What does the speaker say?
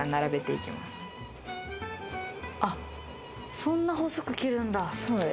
そんなに細く切るんだ。